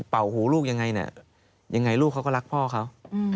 หูลูกยังไงเนี่ยยังไงลูกเขาก็รักพ่อเขา